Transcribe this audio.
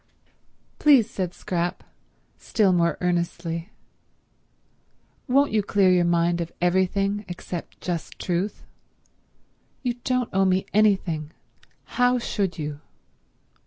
"Please," said Scrap, still more earnestly, "won't you clear your mind of everything except just truth? You don't owe me anything. How should you?"